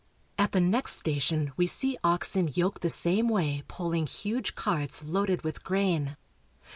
At the next station we see oxen yoked the same way pulling huge carts loaded with grain.